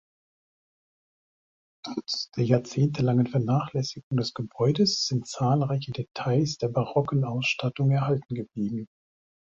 Trotz der jahrzehntelangen Vernachlässigung des Gebäudes sind zahlreiche Details der barocken Ausstattung erhalten geblieben.